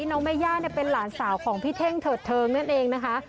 น้องแม่ย่าเป็นหลานสาวของพี่เท่งเถิดเทิงนั่นเองนะคะ